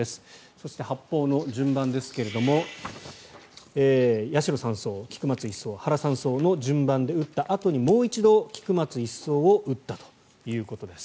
そして、発砲の順番ですが八代３曹、菊松１曹原３曹の順番で撃ったあとにもう一度、菊松１曹を撃ったということです。